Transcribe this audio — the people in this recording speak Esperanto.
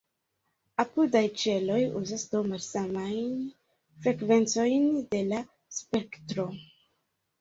Apudaj ĉeloj uzas do malsamajn frekvencojn de la spektro.